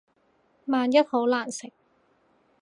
萬一好難食